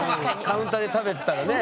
カウンターで食べてたらね。